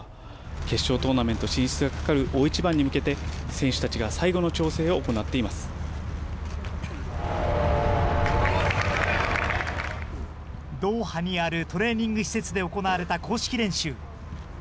決勝トーナメント進出がかかる大一番に向けて、選手たちが最後のドーハにあるトレーニング施設で行われた公式練習。